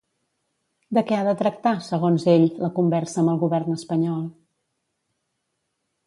De què ha de tractar, segons ell, la conversa amb el govern espanyol?